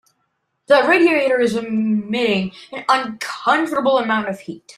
That radiator is emitting an uncomfortable amount of heat.